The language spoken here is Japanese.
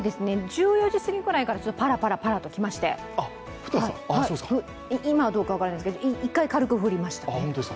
１４時すぎぐらいからパラパラときまして今はどうか分かりませんが、１回、軽く降りました。